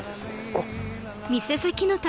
あっ。